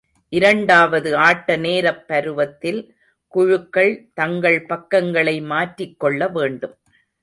இரண்டாவது ஆட்ட நேரப் பருவத்தில், குழுக்கள் தங்கள் பக்கங்களை மாற்றிக்கொள்ள வேண்டும்.